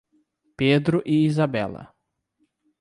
Pedro e Isabella